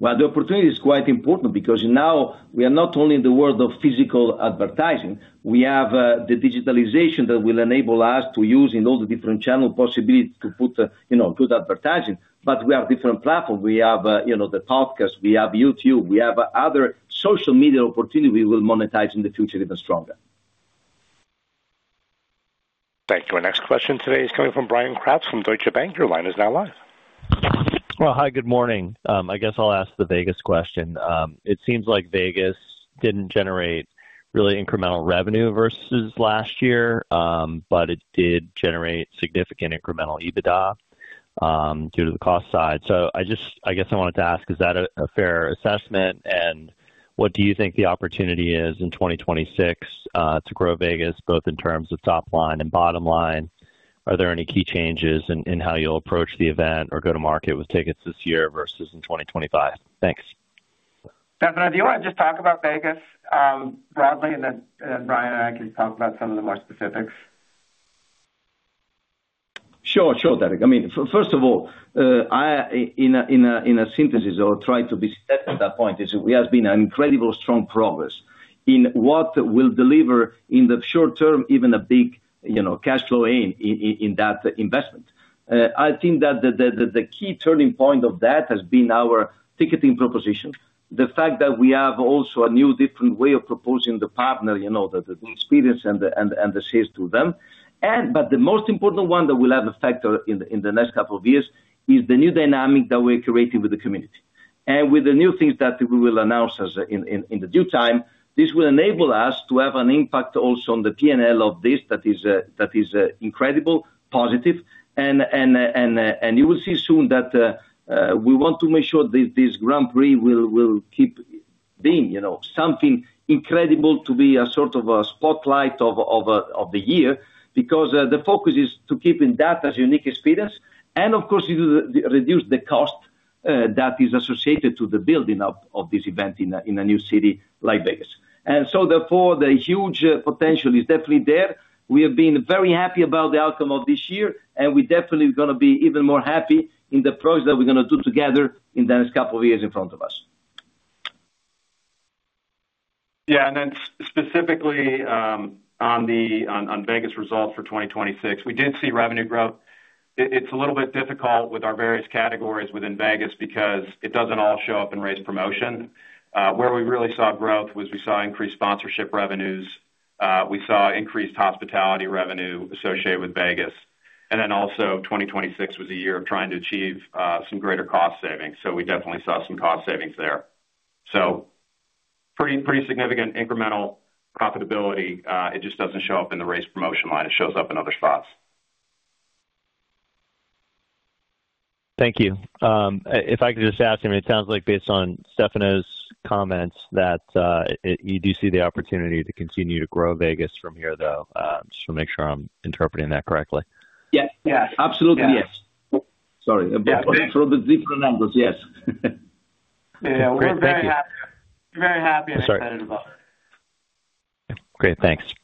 The opportunity is quite important because now we are not only in the world of physical advertising, we have the digitalization that will enable us to use in all the different channel possibility to put, you know, good advertising. We have different platforms. We have, you know, the podcast, we have YouTube, we have other social media opportunity we will monetize in the future even stronger. Thank you. Our next question today is coming from Bryan Kraft from Deutsche Bank. Your line is now live. Well, hi, good morning. I guess I'll ask the Vegas question. It seems like Vegas didn't generate really incremental revenue versus last year, but it did generate significant incremental EBITDA due to the cost side. I guess I wanted to ask, is that a fair assessment? What do you think the opportunity is in 2026 to grow Vegas, both in terms of top line and bottom line? Are there any key changes in how you'll approach the event or go to market with tickets this year versus in 2025? Thanks. Stefano, do you wanna just talk about Vegas, broadly, and then, and Brian and I can talk about some of the more specifics? Sure, sure, Derek. I mean, first of all, I, in a synthesis, or try to be set at that point, is we have been an incredible strong progress in what will deliver in the short term, even a big, you know, cash flow in, in that investment. I think that the key turning point of that has been our ticketing proposition. The fact that we have also a new different way of proposing the partner, you know, the experience and the sales to them. But the most important one that will have effect in the next couple of years is the new dynamic that we're creating with the community. With the new things that we will announce in the due time, this will enable us to have an impact also on the PNL of this, that is incredible, positive. You will see soon that we want to make sure this Grand Prix will keep being, you know, something incredible to be a sort of a spotlight of the year, because the focus is to keep in that as unique experience, and of course, it will re-reduce the cost that is associated to the building of this event in a new city like Vegas. Therefore, the huge potential is definitely there. We have been very happy about the outcome of this year, and we definitely gonna be even more happy in the progress that we're gonna do together in the next couple of years in front of us. Yeah, specifically, on Vegas results for 2026, we did see revenue growth. It's a little bit difficult with our various categories within Vegas because it doesn't all show up in race promotion. Where we really saw growth was we saw increased sponsorship revenues, we saw increased hospitality revenue associated with Vegas, also 2026 was a year of trying to achieve some greater cost savings. We definitely saw some cost savings there. Pretty significant incremental profitability. It just doesn't show up in the race promotion line. It shows up in other spots. Thank you. If I could just ask, it sounds like based on Stefano's comments, that you do see the opportunity to continue to grow Vegas from here, though, just to make sure I'm interpreting that correctly? Yes. Yeah. Absolutely, yes. Sorry. Through the different numbers, yes. Yeah, we're very happy. Very happy and excited about it. Great. Thanks.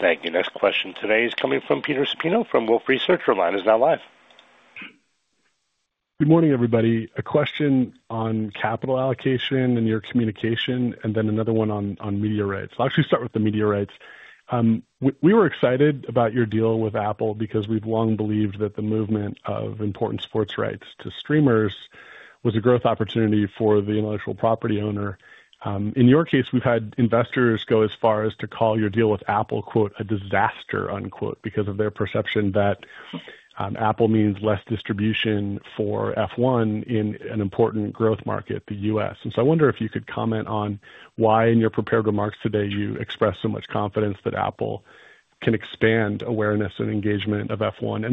Thank you. Next question today is coming from Peter Supino from Wolfe Research. Your line is now live. Good morning, everybody. A question on capital allocation and your communication, then another one on media rights. I'll actually start with the media rights. We were excited about your deal with Apple because we've long believed that the movement of important sports rights to streamers was a growth opportunity for the intellectual property owner. In your case, we've had investors go as far as to call your deal with Apple, quote, "a disaster," unquote, because of their perception that Apple means less distribution for F1 in an important growth market, the U.S. I wonder if you could comment on why, in your prepared remarks today, you expressed so much confidence that Apple can expand awareness and engagement of F1?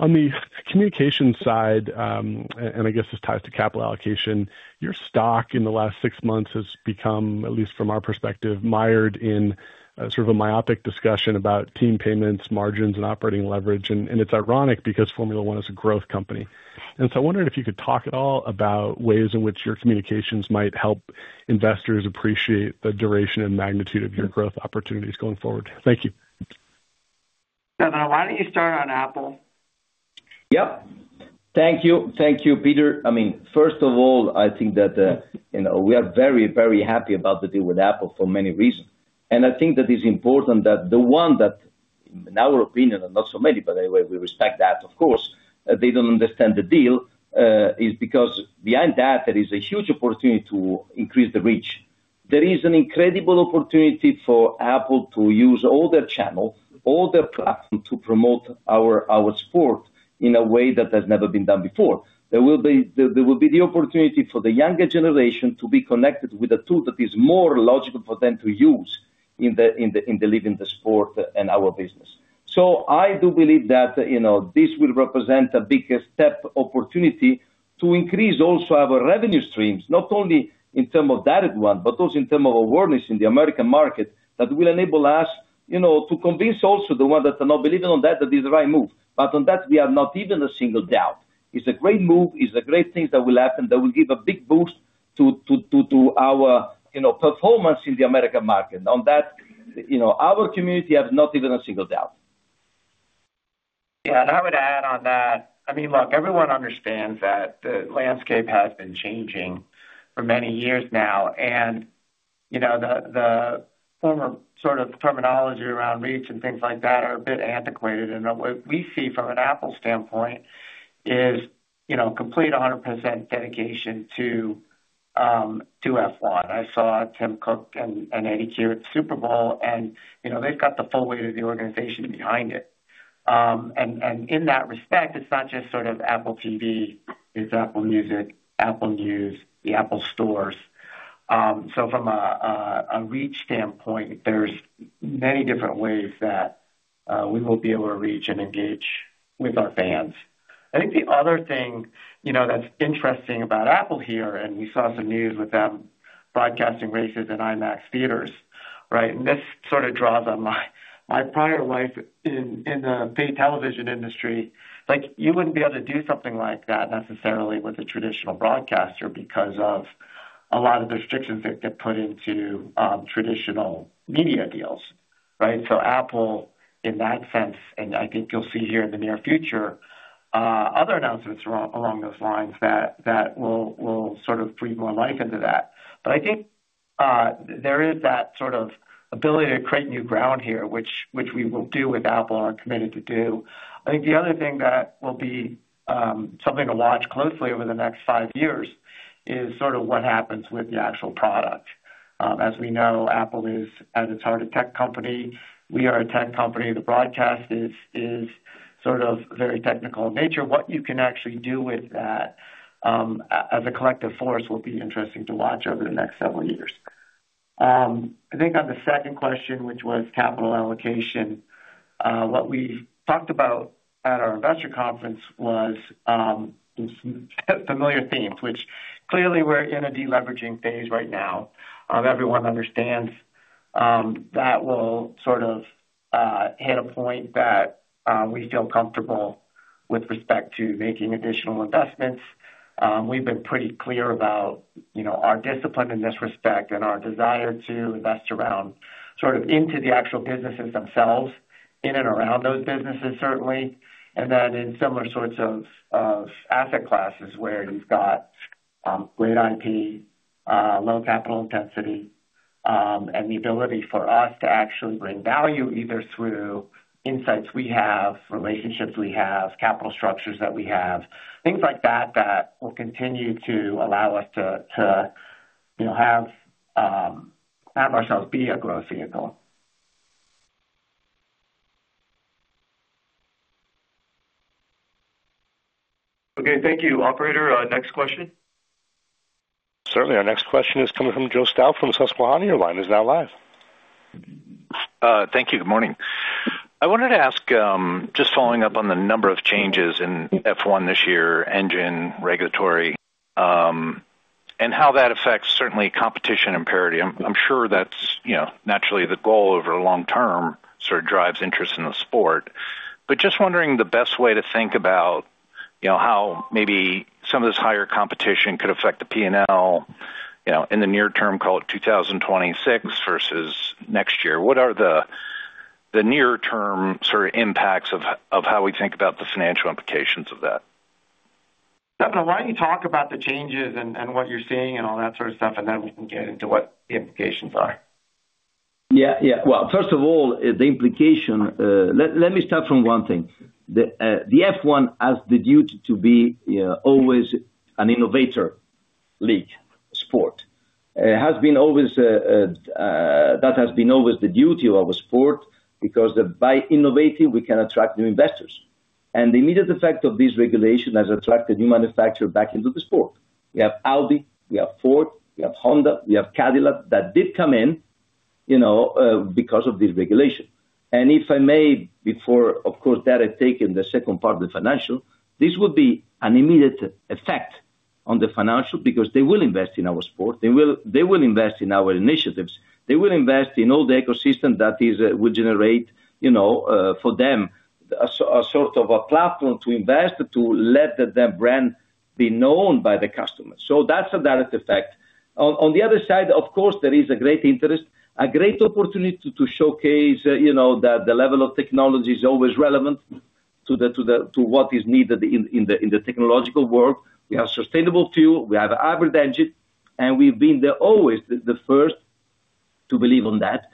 On the communication side, I guess this ties to capital allocation, your stock in the last six months has become, at least from our perspective, mired in a sort of a myopic discussion about team payments, margins, and operating leverage. It's ironic because Formula 1 is a growth company. I wondered if you could talk at all about ways in which your communications might help investors appreciate the duration and magnitude of your growth opportunities going forward. Thank you. Stefano, why don't you start on Apple? Yep. Thank you. Thank you, Peter. I mean, first of all, I think that, you know, we are very, very happy about the deal with Apple for many reasons. I think that is important that the one that, in our opinion, and not so many, but anyway, we respect that, of course, they don't understand the deal, is because behind that, there is a huge opportunity to increase the reach. There is an incredible opportunity for Apple to use all their channels, all their platform, to promote our sport in a way that has never been done before. There will be the opportunity for the younger generation to be connected with a tool that is more logical for them to use in delivering the sport and our business. I do believe that, you know, this will represent a big step opportunity to increase also our revenue streams, not only in terms of that one, but also in terms of awareness in the American market, that will enable us, you know, to convince also the one that are not believing on that is the right move. On that, we have not even a single doubt. It's a great move, it's a great thing that will happen, that will give a big boost to our, you know, performance in the American market. On that, you know, our community has not even a single doubt. Yeah, I would add on that. I mean, look, everyone understands that the landscape has been changing for many years now. You know, the former sort of terminology around reach and things like that are a bit antiquated. What we see from an Apple standpoint is, you know, complete 100% dedication to ... to F1. I saw Tim Cook and Eddy Cue at the Super Bowl, and, you know, they've got the full weight of the organization behind it. In that respect, it's not just sort of Apple TV, it's Apple Music, Apple News, the Apple Store. From a reach standpoint, there's many different ways that we will be able to reach and engage with our fans. I think the other thing, you know, that's interesting about Apple here, and we saw some news with them broadcasting races in IMAX theaters, right? This sort of draws on my prior life in the paid television industry. Like, you wouldn't be able to do something like that necessarily with a traditional broadcaster because of a lot of the restrictions that get put into traditional media deals, right? Apple, in that sense, and I think you'll see here in the near future, other announcements along those lines that will sort of breathe more life into that. I think there is that sort of ability to create new ground here, which we will do with Apple and are committed to do. I think the other thing that will be something to watch closely over the next 5 years is sort of what happens with the actual product. As we know, Apple is at its heart, a tech company. We are a tech company. The broadcast is sort of very technical in nature. What you can actually do with that, as a collective force, will be interesting to watch over the next several years. I think on the second question, which was capital allocation, what we talked about at our investor conference was familiar themes, which clearly we're in a deleveraging phase right now. Everyone understands that will sort of hit a point that we feel comfortable with respect to making additional investments. We've been pretty clear about, you know, our discipline in this respect and our desire to invest around, sort of into the actual businesses themselves, in and around those businesses, certainly, and then in similar sorts of asset classes, where you've got great IP, low capital intensity, and the ability for us to actually bring value, either through insights we have, relationships we have, capital structures that we have. Things like that will continue to allow us to, you know, have ourselves be a growth vehicle. Okay, thank you. Operator, next question. Certainly. Our next question is coming from Joe Stauff from Susquehanna. Your line is now live. Thank you. Good morning. I wanted to ask, just following up on the number of changes in F1 this year, engine, regulatory, and how that affects certainly competition and parity. I'm sure that's naturally the goal over long term, sort of drives interest in the sport. Just wondering the best way to think about how maybe some of this higher competition could affect the PNL in the near term, call it 2026 versus next year. What are the near term sort of impacts of how we think about the financial implications of that? Stefano, why don't you talk about the changes and what you're seeing and all that sort of stuff, and then we can get into what the implications are. Yeah. Yeah. Well, first of all, the implication, let me start from one thing. The F1 has the duty to be always an innovator league sport. It has been always that has been always the duty of a sport, because by innovating, we can attract new investors. The immediate effect of this regulation has attracted new manufacturer back into the sport. We have Audi, we have Ford, we have Honda, we have Cadillac. That did come in, you know, because of this regulation. If I may, before, of course, that I take in the second part of the financial, this would be an immediate effect on the financial, because they will invest in our sport. They will invest in our initiatives. They will invest in all the ecosystem that is will generate, you know, for them, a sort of a platform to invest, to let their brand be known by the customers. That's a direct effect. On the other side, of course, there is a great interest, a great opportunity to showcase, you know, that the level of technology is always relevant to what is needed in the technological world. We have sustainable fuel, we have hybrid engine, and we've been there always, the first to believe on that.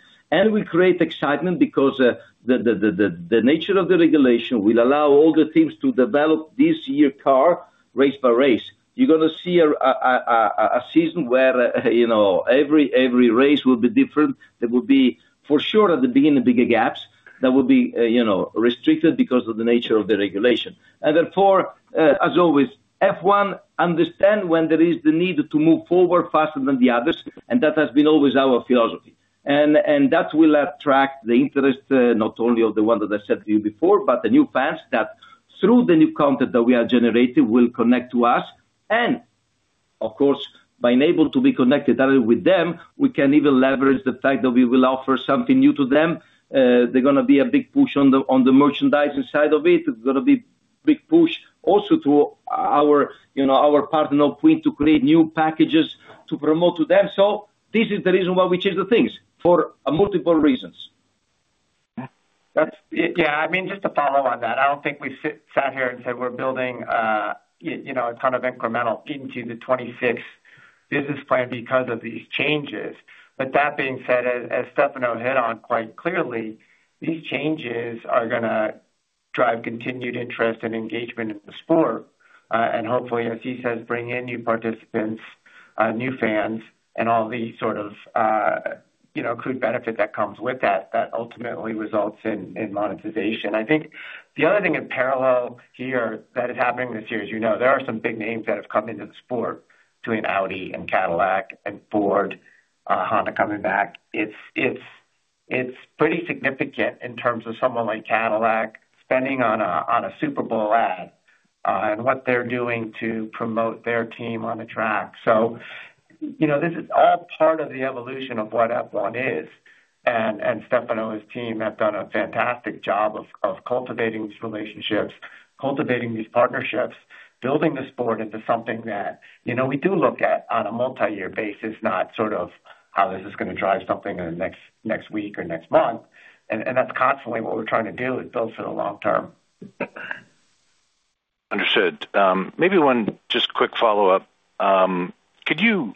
We create excitement because the nature of the regulation will allow all the teams to develop this year car, race by race. You're gonna see a season where, you know, every race will be different. There will be, for sure, at the beginning, bigger gaps that will be, you know, restricted because of the nature of the regulation. Therefore, as always, F1 understand when there is the need to move forward faster than the others, and that has been always our philosophy. That will attract the interest, not only of the one that I said to you before, but the new fans that through the new content that we are generating, will connect to us. Of course, by enable to be connected with them, we can even leverage the fact that we will offer something new to them. There's gonna be a big push on the merchandising side of it. It's gonna be big push also to our, you know, our partner, Quint, to create new packages to promote to them. This is the reason why we change the things, for multiple reasons. That's. Yeah, I mean, just to follow on that, I don't think we sat here and said, we're building, you know, a ton of incremental into the 2026 business plan because of these changes. That being said, as Stefano hit on quite clearly, these changes are gonna drive continued interest and engagement in the sport. Hopefully, as he says, bring in new participants, new fans, and all the sort of, you know, accrued benefit that comes with that ultimately results in monetization. I think the other thing in parallel here, that is happening this year, as you know, there are some big names that have come into the sport, between Audi and Cadillac and Ford, Honda coming back. It's pretty significant in terms of someone like Cadillac spending on a Super Bowl ad, and what they're doing to promote their team on the track. You know, this is all part of the evolution of what F1 is. Stefano and his team have done a fantastic job of cultivating these relationships, cultivating these partnerships, building the sport into something that, you know, we do look at on a multi-year basis, not sort of how this is gonna drive something in the next week or next month. That's constantly what we're trying to do, is build for the long term. Understood. Maybe one just quick follow-up. Could you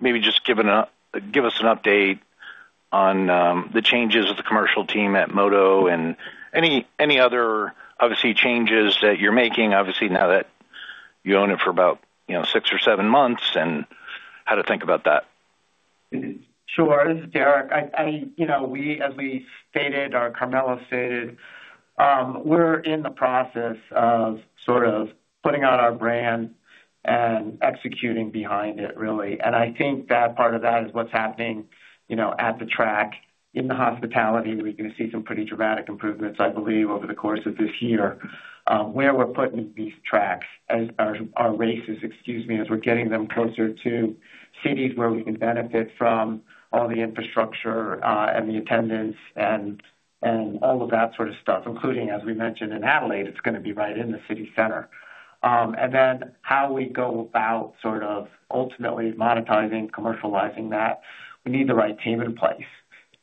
maybe just give us an update on the changes of the commercial team at Moto and any other, obviously, changes that you're making, obviously, now that you own it for about, you know, six or seven months, and how to think about that? Sure. This is Derek. I, you know, we, as we stated, or Carmelo stated, we're in the process of sort of putting out our brand and executing behind it, really. I think that part of that is what's happening, you know, at the track. In the hospitality, we're gonna see some pretty dramatic improvements, I believe, over the course of this year. Where we're putting these tracks as our races, excuse me, as we're getting them closer to cities where we can benefit from all the infrastructure, and the attendance and all of that sort of stuff, including, as we mentioned, in Adelaide, it's gonna be right in the city center. And then how we go about sort of ultimately monetizing, commercializing that, we need the right team in place,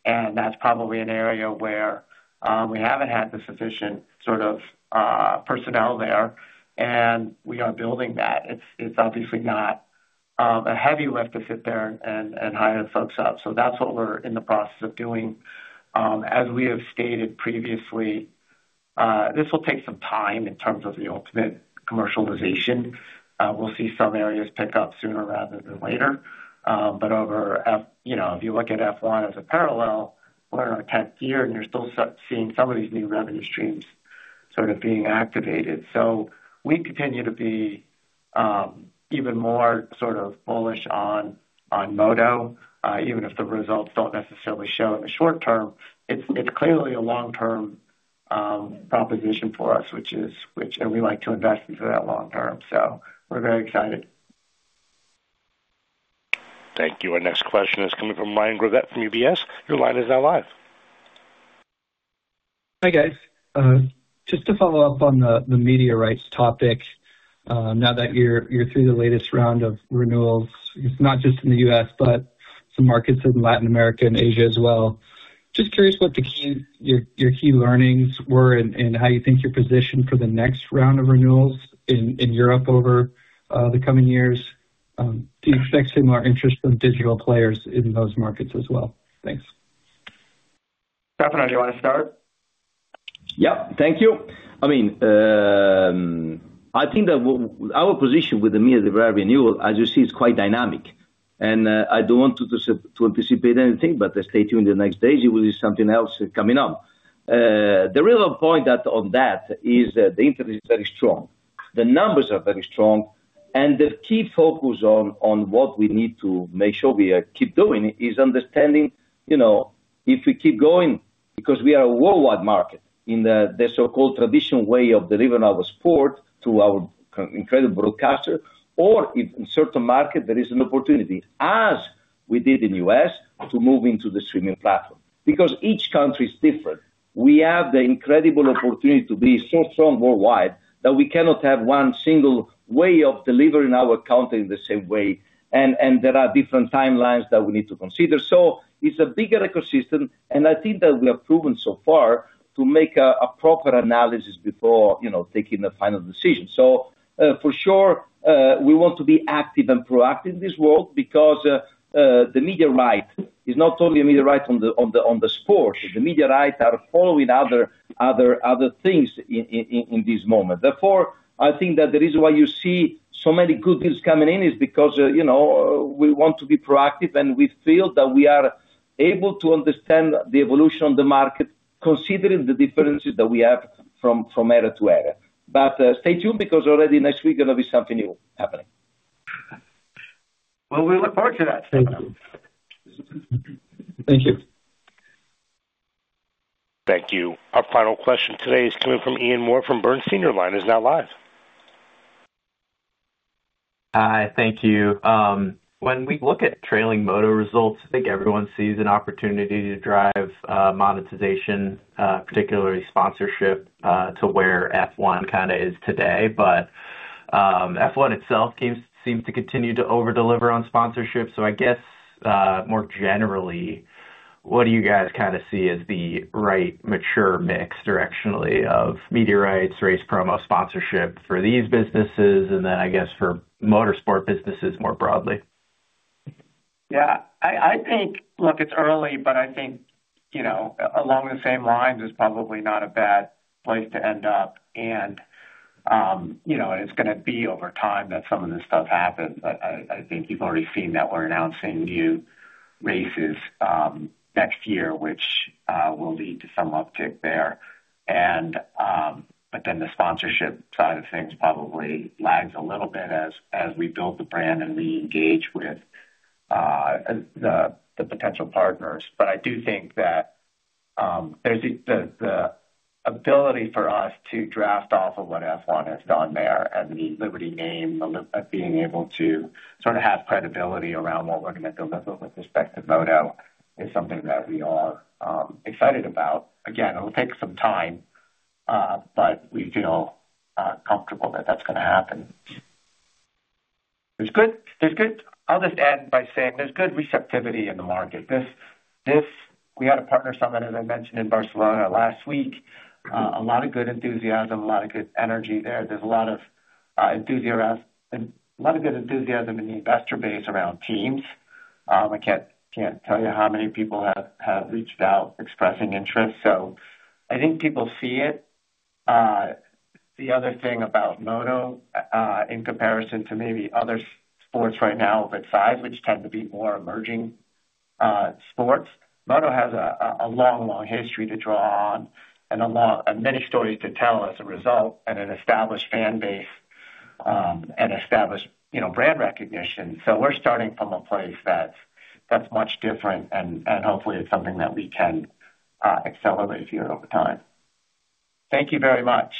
and that's probably an area where we haven't had the sufficient sort of personnel there, and we are building that. It's obviously not a heavy lift to sit there and hire folks up. That's what we're in the process of doing. As we have stated previously, this will take some time in terms of the ultimate commercialization. We'll see some areas pick up sooner rather than later. Over you know, if you look at F1 as a parallel, we're in our tenth year, and you're still seeing some of these new revenue streams sort of being activated. We continue to be even more sort of bullish on Moto, even if the results don't necessarily show in the short term. It's clearly a long-term proposition for us, and we like to invest into that long term. We're very excited. Thank you. Our next question is coming from Ryan Gravett from UBS. Your line is now live. Hi, guys. Just to follow up on the media rights topic, now that you're through the latest round of renewals, not just in the U.S., but some markets in Latin America and Asia as well. Just curious what the key, your key learnings were and how you think you're positioned for the next round of renewals in Europe over the coming years. Do you expect similar interest from digital players in those markets as well? Thanks. Stefano, do you want to start? Yeah. Thank you. I mean, I think that our position with the media rights renewal, as you see, is quite dynamic. I don't want to anticipate anything, but stay tuned in the next days, you will see something else coming up. The real point on that is the interest is very strong. The numbers are very strong, and the key focus on what we need to make sure we keep doing is understanding, you know, if we keep going, because we are a worldwide market in the so-called traditional way of delivering our sport through our incredible broadcaster, or if in certain market there is an opportunity, as we did in U.S., to move into the streaming platform. Because each country is different, we have the incredible opportunity to be so strong worldwide that we cannot have one single way of delivering our content in the same way, and there are different timelines that we need to consider. It's a bigger ecosystem, and I think that we have proven so far to make a proper analysis before, you know, taking the final decision. For sure, we want to be active and proactive in this world because the media right is not only a media right on the sport. The media rights are following other things in this moment. I think that the reason why you see so many good deals coming in is because, you know, we want to be proactive, and we feel that we are able to understand the evolution of the market, considering the differences that we have from area to area. Stay tuned, because already next week, there will be something new happening. Well, we look forward to that. Thank you. Thank you. Our final question today is coming from Ian Moore from Bernstein. Your line is now live. Hi. Thank you. When we look at trailing Moto results, I think everyone sees an opportunity to drive monetization, particularly sponsorship, to where F1 kinda is today. F1 itself seems to continue to over-deliver on sponsorship. I guess more generally, what do you guys kinda see as the right mature mix directionally of media rights, race promo, sponsorship for these businesses, and then I guess for motorsport businesses more broadly? Yeah, I think, look, it's early, but I think, you know, along the same lines is probably not a bad place to end up. You know, it's gonna be over time that some of this stuff happens. I think you've already seen that we're announcing new races next year, which will lead to some uptick there. The sponsorship side of things probably lags a little bit as we build the brand and we engage with the potential partners. I do think that there's the ability for us to draft off of what F1 has done there and the Liberty name, of being able to sort of have credibility around what we're gonna build with respect to Moto is something that we are excited about. Again, it'll take some time, but we feel comfortable that that's gonna happen. I'll just end by saying there's good receptivity in the market. We had a partner summit, as I mentioned, in Barcelona last week. A lot of good enthusiasm, a lot of good energy there. There's a lot of enthusiasm, a lot of good enthusiasm in the investor base around teams. I can't tell you how many people have reached out expressing interest, so I think people see it. The other thing about Moto, in comparison to maybe other sports right now of that size, which tend to be more emerging, sports, Moto has a long, long history to draw on and a lot, and many stories to tell as a result, and an established fan base, and established, you know, brand recognition. We're starting from a place that's much different, and hopefully it's something that we can accelerate here over time. Thank you very much.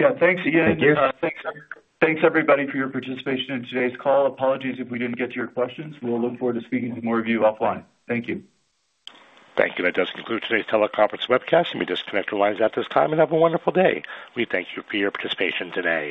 Yeah, thanks again. Thank you. Thanks, everybody, for your participation in today's call. Apologies if we didn't get to your questions. We'll look forward to speaking with more of you offline. Thank you. Thank you. That does conclude today's teleconference webcast. You may disconnect your lines at this time, and have a wonderful day. We thank you for your participation today.